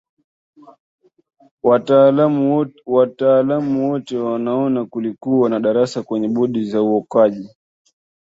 wataalam wote wanaona kulikuwa na darasa kwenye bodi za uokoaji